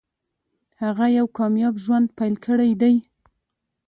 هغه یو کامیاب ژوند پیل کړی دی